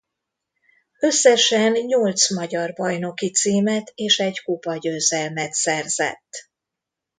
Összesen nyolc magyar bajnoki címet és egy kupa győzelmet szerzett.